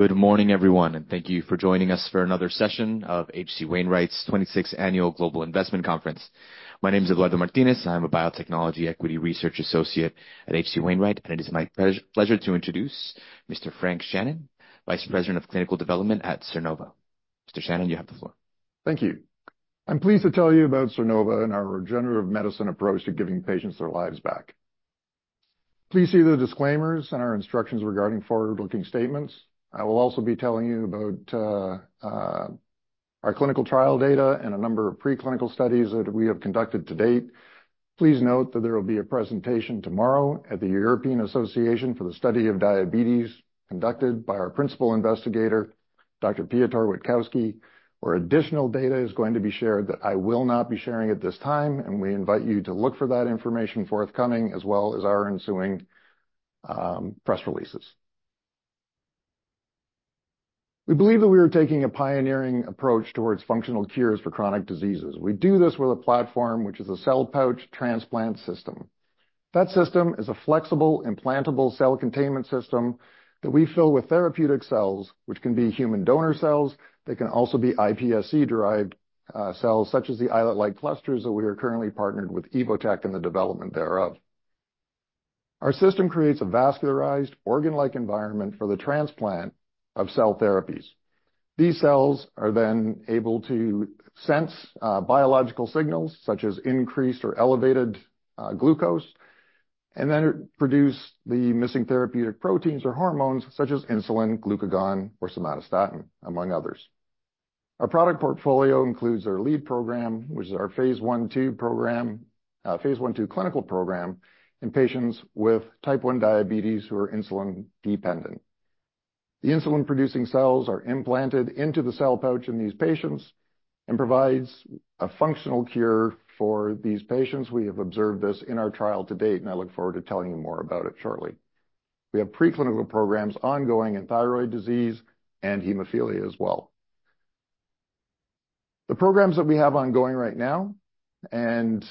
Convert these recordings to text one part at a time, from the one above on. Good morning, everyone, and thank you for joining us for another session of H.C. Wainwright's 26th Annual Global Investment Conference. My name is Eduardo Martinez. I'm a Biotechnology Equity Research Associate at H.C. Wainwright, and it is my pleasure to introduce Mr. Frank Shannon, Vice President of Clinical Development at Sernova. Mr. Shannon, you have the floor. Thank you. I'm pleased to tell you about Sernova and our regenerative medicine approach to giving patients their lives back. Please see the disclaimers and our instructions regarding forward-looking statements. I will also be telling you about our clinical trial data and a number of preclinical studies that we have conducted to date. Please note that there will be a presentation tomorrow at the European Association for the Study of Diabetes, conducted by our principal investigator, Dr. Piotr Witkowski, where additional data is going to be shared that I will not be sharing at this time, and we invite you to look for that information forthcoming, as well as our ensuing press releases. We believe that we are taking a pioneering approach towards functional cures for chronic diseases. We do this with a platform which is a Cell Pouch transplant system. That system is a flexible, implantable cell containment system that we fill with therapeutic cells, which can be human donor cells. They can also be iPSC-derived cells, such as the islet-like clusters that we are currently partnered with Evotec in the development thereof. Our system creates a vascularized, organ-like environment for the transplant of cell therapies. These cells are then able to sense biological signals, such as increased or elevated glucose, and then produce the missing therapeutic proteins or hormones such as insulin, glucagon, or somatostatin, among others. Our product portfolio includes our lead program, which is our Phase I/II program, Phase I/II clinical program in patients with Type 1 diabetes who are insulin dependent. The insulin-producing cells are implanted into the Cell Pouch in these patients and provides a functional cure for these patients. We have observed this in our trial to date, and I look forward to telling you more about it shortly. We have preclinical programs ongoing in thyroid disease and hemophilia as well. The programs that we have ongoing right now, and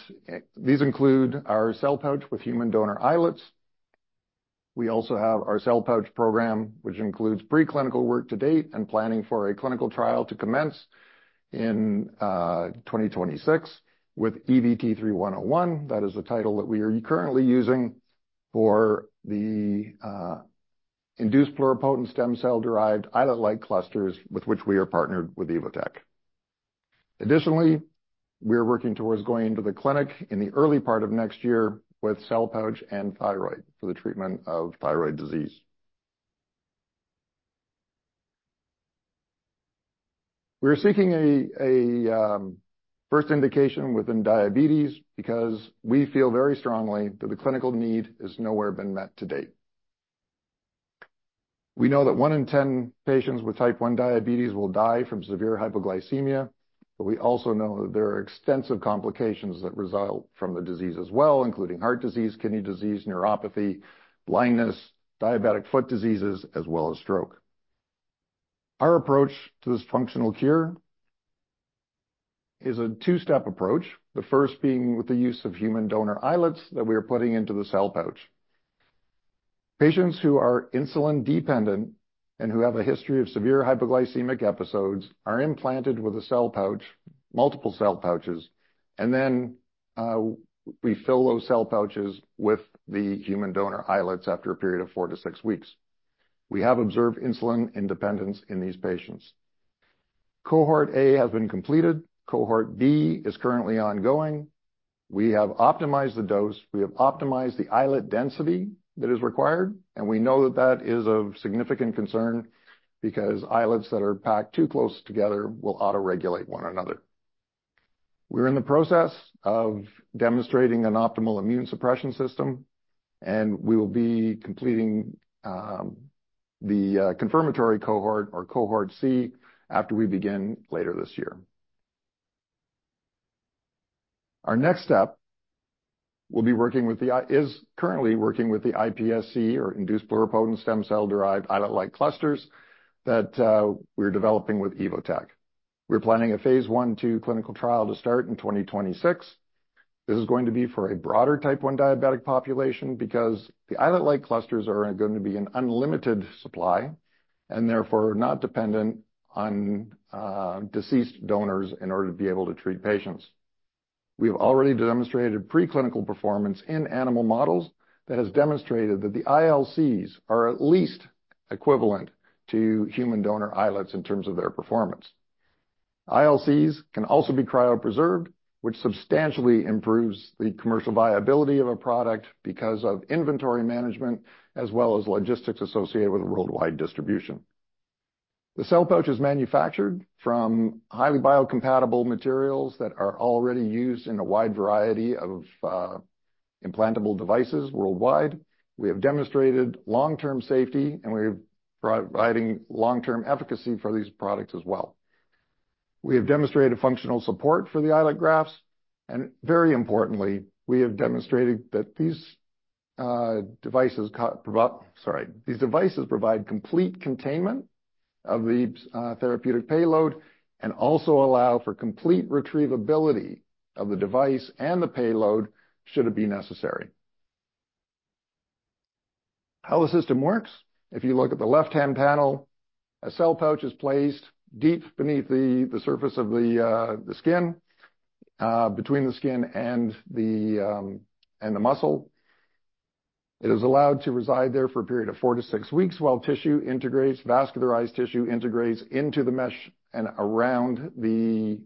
these include our Cell Pouch with human donor islets. We also have our Cell Pouch program, which includes preclinical work to date and planning for a clinical trial to commence in 2026 with EVT-3101. That is the title that we are currently using for the induced pluripotent stem cell-derived islet-like clusters with which we are partnered with Evotec. Additionally, we are working towards going into the clinic in the early part of next year with Cell Pouch and thyroid for the treatment of thyroid disease. We are seeking a first indication within diabetes because we feel very strongly that the clinical need has nowhere been met to date. We know that one in ten patients with Type 1 diabetes will die from severe hypoglycemia, but we also know that there are extensive complications that result from the disease as well, including heart disease, kidney disease, neuropathy, blindness, diabetic foot diseases, as well as stroke. Our approach to this functional cure is a two-step approach, the first being with the use of human donor islets that we are putting into the Cell Pouch. Patients who are insulin dependent and who have a history of severe hypoglycemic episodes are implanted with a Cell Pouch, multiple Cell Pouches, and then we fill those Cell Pouches with the human donor islets after a period of four to six weeks. We have observed insulin independence in these patients. Cohort A has been completed. Cohort B is currently ongoing. We have optimized the dose, we have optimized the islet density that is required, and we know that that is of significant concern because islets that are packed too close together will autoregulate one another. We're in the process of demonstrating an optimal immune suppression system, and we will be completing the confirmatory Cohort or Cohort C after we begin later this year. Our next step will be working with the iPSC or induced pluripotent stem cell-derived islet-like clusters that we're developing with Evotec. We're planning a Phase I/II clinical trial to start in 2026. This is going to be for a broader Type 1 diabetic population because the islet-like clusters are going to be an unlimited supply, and therefore not dependent on, deceased donors in order to be able to treat patients. We have already demonstrated preclinical performance in animal models that has demonstrated that the ILCs are at least equivalent to human donor islets in terms of their performance. ILCs can also be cryopreserved, which substantially improves the commercial viability of a product because of inventory management, as well as logistics associated with worldwide distribution. The Cell Pouch is manufactured from highly biocompatible materials that are already used in a wide variety of, implantable devices worldwide. We have demonstrated long-term safety, and we're providing long-term efficacy for these products as well. We have demonstrated functional support for the islet grafts, and very importantly, we have demonstrated that these devices provide complete containment of the therapeutic payload and also allow for complete retrievability of the device and the payload, should it be necessary. How the system works? If you look at the left-hand panel, a Cell Pouch is placed deep beneath the surface of the skin, between the skin and the muscle. It is allowed to reside there for a period of four to six weeks, while tissue integrates, vascularized tissue integrates into the mesh and around the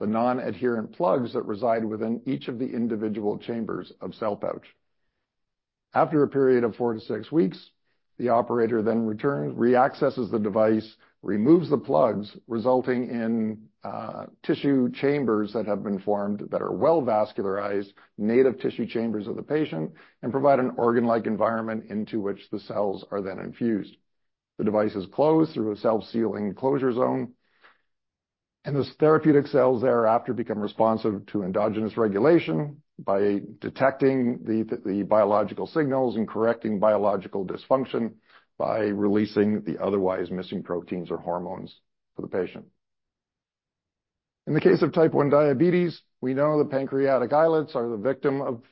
non-adherent plugs that reside within each of the individual chambers of Cell Pouch. After a period of four to six weeks, the operator then returns, reaccesses the device, removes the plugs, resulting in tissue chambers that have been formed that are well vascularized, native tissue chambers of the patient, and provide an organ-like environment into which the cells are then infused. The device is closed through a self-sealing closure zone, and those therapeutic cells thereafter become responsive to endogenous regulation by detecting the biological signals and correcting biological dysfunction by releasing the otherwise missing proteins or hormones for the patient. In the case of Type 1 diabetes, we know the pancreatic islets are the victim of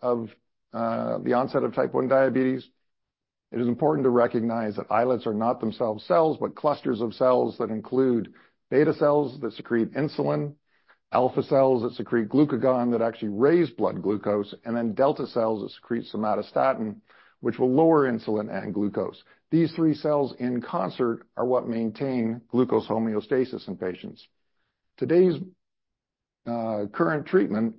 the onset of Type 1 diabetes. It is important to recognize that islets are not themselves cells, but clusters of cells that include beta cells that secrete insulin, alpha cells that secrete glucagon, that actually raise blood glucose, and then delta cells that secrete somatostatin, which will lower insulin and glucose. These three cells in concert are what maintain glucose homeostasis in patients. Today's current treatment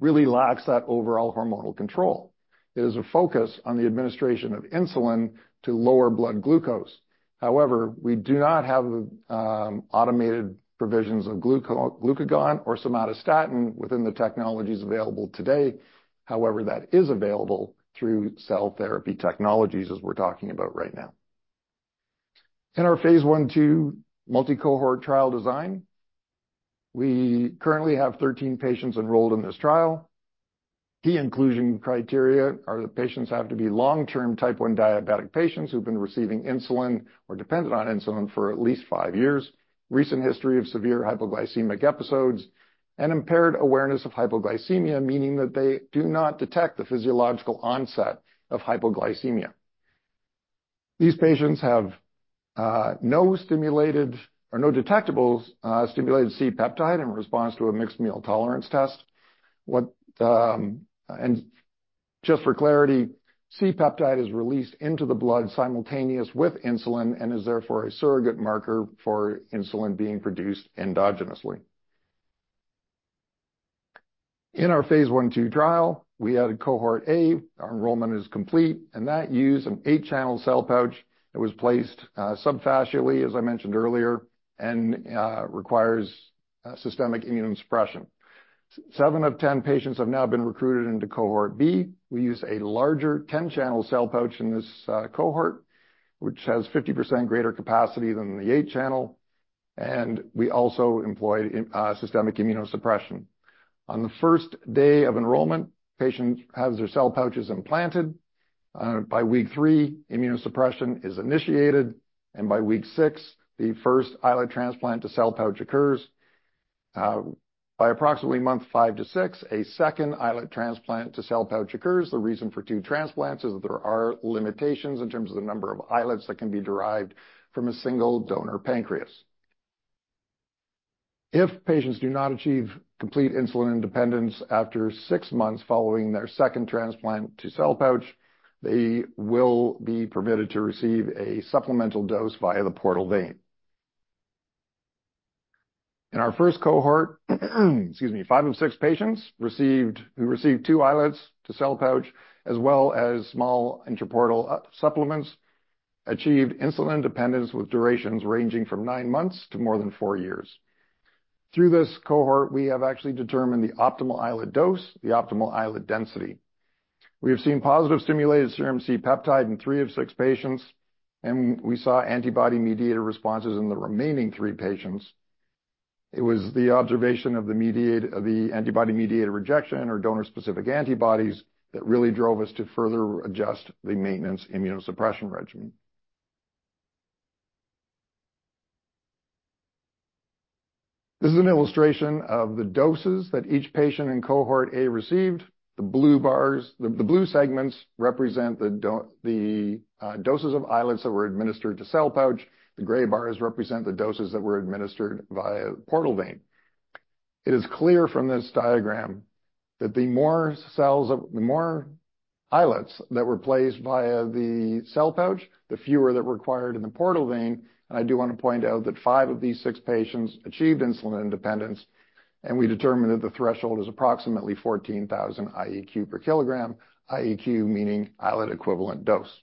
really lacks that overall hormonal control. It is a focus on the administration of insulin to lower blood glucose. However, we do not have automated provisions of glucagon or somatostatin within the technologies available today. However, that is available through cell therapy technologies, as we're talking about right now. In our Phase I/II multi-cohort trial design, we currently have 13 patients enrolled in this trial. The inclusion criteria are that patients have to be long-term Type 1 diabetic patients who've been receiving insulin or dependent on insulin for at least five years, recent history of severe hypoglycemic episodes, and impaired awareness of hypoglycemia, meaning that they do not detect the physiological onset of hypoglycemia. These patients have no stimulated or no detectable stimulated C-peptide in response to a mixed meal tolerance test, and just for clarity, C-peptide is released into the blood simultaneous with insulin and is therefore a surrogate marker for insulin being produced endogenously. In our Phase I/II trial, we added Cohort A. Our enrollment is complete, and that used an eight-channel Cell Pouch that was placed subfascially, as I mentioned earlier, and requires systemic immunosuppression. Seven of 10 patients have now been recruited into Cohort B. We use a larger 10-channel Cell Pouch in this Cohort, which has 50% greater capacity than the 8-channel, and we also employed systemic immunosuppression. On the first day of enrollment, patients have their Cell Pouches implanted. By week three, immunosuppression is initiated, and by week six, the first islet transplant to Cell Pouch occurs. By approximately month five to six, a second islet transplant to Cell Pouch occurs. The reason for two transplants is that there are limitations in terms of the number of islets that can be derived from a single donor pancreas. If patients do not achieve complete insulin independence after six months following their second transplant to Cell Pouch, they will be permitted to receive a supplemental dose via the portal vein. In our first Cohort, excuse me, five of six patients received, who received two islets to Cell Pouch as well as small intraportal supplements, achieved insulin independence, with durations ranging from nine months to more than four years. Through this Cohort, we have actually determined the optimal islet dose, the optimal islet density. We have seen positive stimulated serum C-peptide in three of six patients, and we saw antibody-mediated responses in the remaining three patients. It was the observation of the antibody-mediated rejection or donor-specific antibodies that really drove us to further adjust the maintenance immunosuppression regimen. This is an illustration of the doses that each patient in Cohort A received. The blue bars, the blue segments represent the doses of islets that were administered to Cell Pouch. The gray bars represent the doses that were administered via portal vein. It is clear from this diagram that the more cells, the more islets that were placed via the Cell Pouch, the fewer that were required in the portal vein. And I do want to point out that five of these six patients achieved insulin independence, and we determined that the threshold is approximately 14,000 IEQ per kilogram. IEQ meaning islet equivalent dose.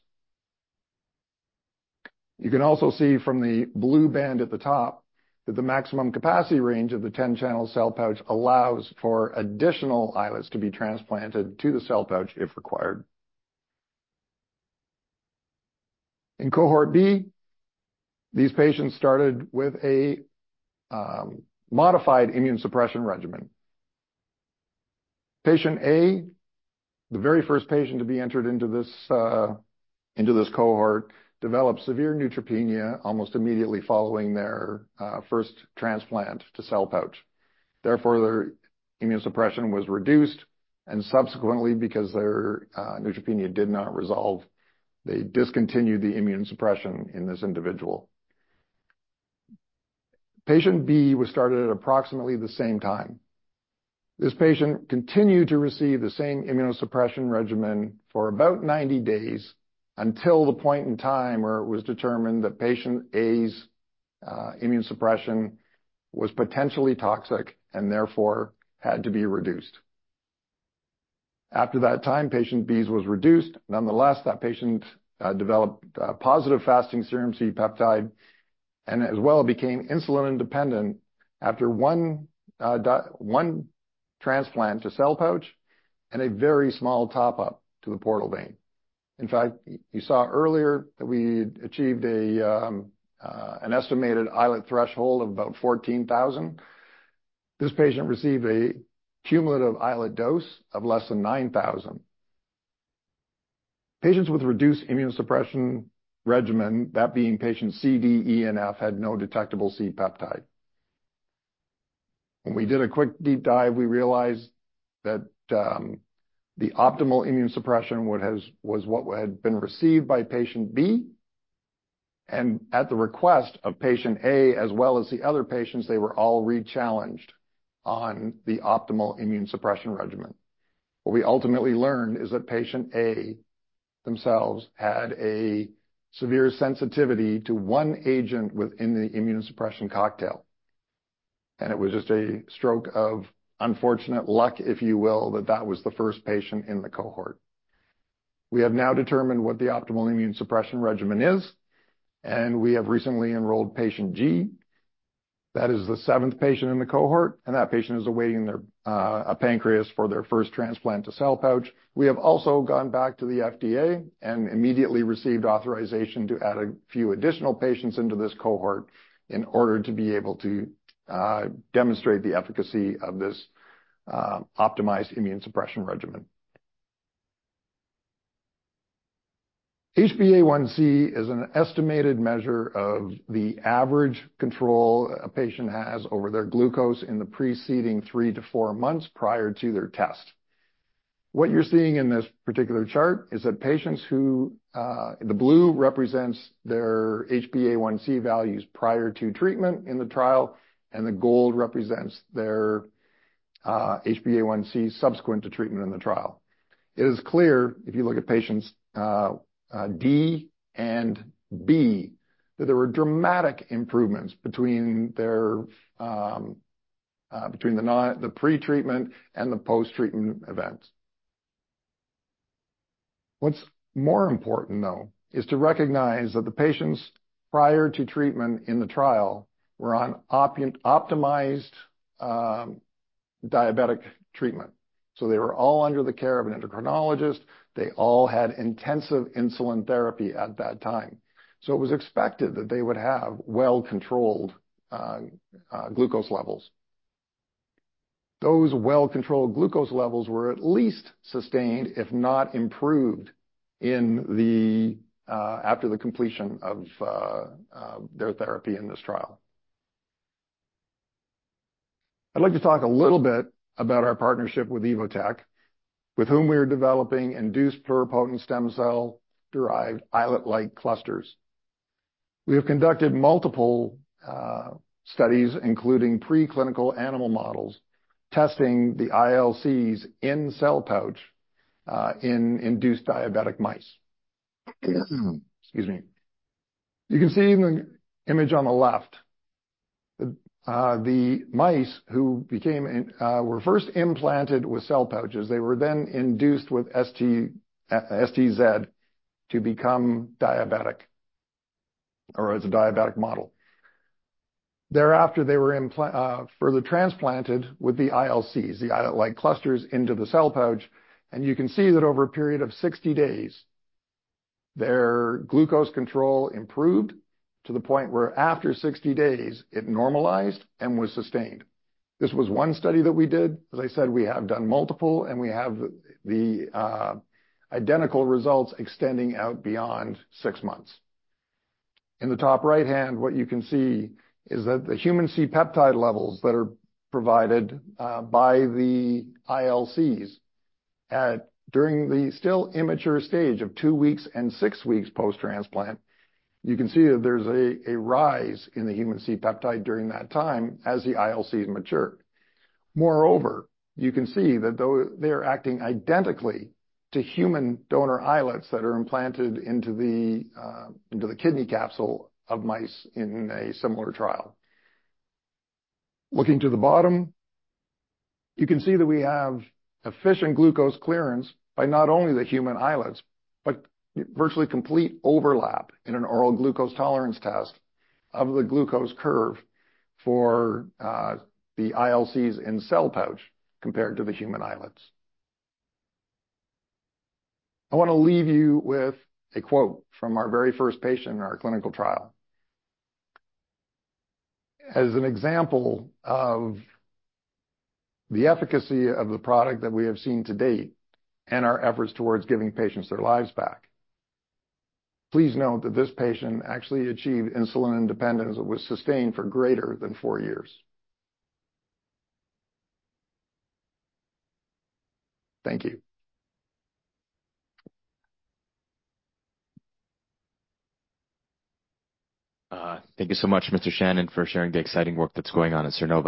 You can also see from the blue band at the top, that the maximum capacity range of the ten-channel Cell Pouch allows for additional islets to be transplanted to the Cell Pouch if required. In Cohort B, these patients started with a modified immunosuppression regimen. Patient A, the very first patient to be entered into this Cohort, developed severe neutropenia almost immediately following their first transplant to Cell Pouch. Therefore, their immunosuppression was reduced, and subsequently, because their neutropenia did not resolve, they discontinued the immunosuppression in this individual. Patient B was started at approximately the same time. This patient continued to receive the same immunosuppression regimen for about 90 days, until the point in time where it was determined that patient A's immunosuppression was potentially toxic, and therefore had to be reduced. After that time, patient B's was reduced. Nonetheless, that patient developed a positive fasting serum C-peptide, and as well became insulin independent after one transplant to Cell Pouch, and a very small top-up to the portal vein. In fact, you saw earlier that we had achieved an estimated islet threshold of about 14,000. This patient received a cumulative islet dose of less than 9,000. Patients with reduced immunosuppression regimen, that being patient C, D, E, and F, had no detectable C-peptide. When we did a quick deep dive, we realized that the optimal immunosuppression was what had been received by patient B, and at the request of patient A, as well as the other patients, they were all re-challenged on the optimal immunosuppression regimen. What we ultimately learned is that patient A, themselves, had a severe sensitivity to one agent within the immunosuppression cocktail, and it was just a stroke of unfortunate luck, if you will, that that was the first patient in the Cohort. We have now determined what the optimal immunosuppression regimen is, and we have recently enrolled patient G. That is the seventh patient in the Cohort, and that patient is awaiting a pancreas for their first transplant to Cell Pouch. We have also gone back to the FDA and immediately received authorization to add a few additional patients into this Cohort in order to be able to demonstrate the efficacy of this optimized immune suppression regimen. HbA1c is an estimated measure of the average control a patient has over their glucose in the preceding three to four months prior to their test. What you're seeing in this particular chart is that the blue represents their HbA1c values prior to treatment in the trial, and the gold represents their HbA1c subsequent to treatment in the trial. It is clear, if you look at patients D and B, that there were dramatic improvements between their pretreatment and the posttreatment events. What's more important, though, is to recognize that the patients prior to treatment in the trial were on an optimized diabetic treatment, so they were all under the care of an endocrinologist. They all had intensive insulin therapy at that time. So it was expected that they would have well-controlled glucose levels. Those well-controlled glucose levels were at least sustained, if not improved, after the completion of their therapy in this trial. I'd like to talk a little bit about our partnership with Evotec, with whom we are developing induced pluripotent stem cell-derived islet-like clusters. We have conducted multiple studies, including preclinical animal models, testing the ILCs in Cell Pouch in induced diabetic mice. Excuse me. You can see in the image on the left, the mice who were first implanted with Cell Pouches, they were then induced with STZ to become diabetic, or as a diabetic model. Thereafter, they were further transplanted with the ILCs, the islet-like clusters into the Cell Pouch, and you can see that over a period of sixty days, their glucose control improved to the point where after sixty days, it normalized and was sustained. This was one study that we did. As I said, we have done multiple, and we have the identical results extending out beyond six months. In the top right-hand, what you can see is that the human C-peptide levels that are provided by the ILCs at during the still immature stage of two weeks and six weeks post-transplant, you can see that there's a rise in the human C-peptide during that time as the ILCs mature. Moreover, you can see that though they are acting identically to human donor islets that are implanted into the into the kidney capsule of mice in a similar trial. Looking to the bottom, you can see that we have efficient glucose clearance by not only the human islets, but virtually complete overlap in an oral glucose tolerance test of the glucose curve for the ILCs in Cell Pouch compared to the human islets. I wanna leave you with a quote from our very first patient in our clinical trial. As an example of the efficacy of the product that we have seen to date and our efforts towards giving patients their lives back, please note that this patient actually achieved insulin independence that was sustained for greater than four years. Thank you. Thank you so much, Mr. Shannon, for sharing the exciting work that's going on at Sernova.